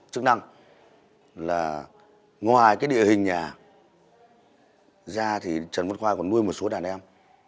chức năng là ngoài cái địa hình nhà ra thì trần văn khoa còn nuôi một số đàn em